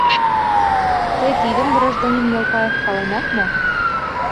Тый тидым, гражданин Ялпаев, паленат мо?